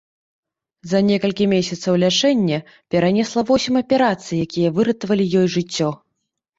За некалькі месяцаў лячэння перанесла восем аперацый, якія выратавалі ёй жыццё.